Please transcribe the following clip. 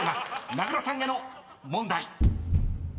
名倉さんへの問題］